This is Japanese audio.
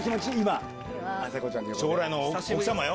将来の奥さまよ！